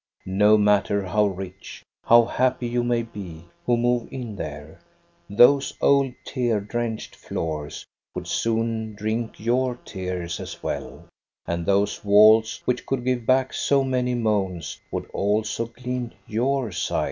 No matter how rich, how happy you may be, who move in there, those old tear drenched floors would soon drink four tears as well, and those walls, which could give back so many moans, would also glean j^our sighs.